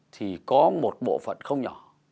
thì có một bộ phận không nhỏ